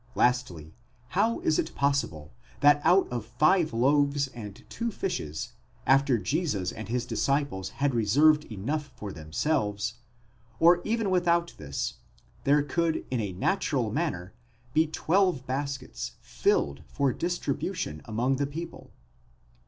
Lastly, how is it possible that out of five loaves and two fishes, after Jesus and his disciples had reserved enough for themselves, or even without this, there could in a natural manner be twelve baskets ///ed for distribution among the people?